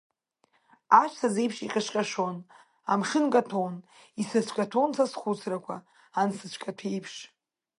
Аҵәца-ӡеиԥш иҟьашҟьашон, амшын каҭәон, исыцәкаҭәон, са схәыцрақәа ансыцәкаҭәеиԥш…